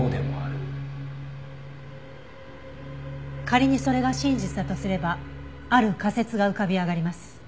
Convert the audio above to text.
仮にそれが真実だとすればある仮説が浮かび上がります。